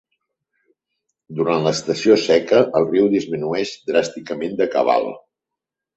Durant l'estació seca el riu disminueix dràsticament de cabal.